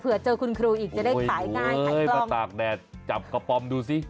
เผื่อเจอคุณครูอีกจะได้ขายง่ายโอ้ยโอ้ยประตากแดดจับกระปำดูสิ